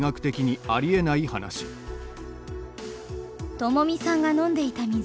ともみさんが飲んでいた水。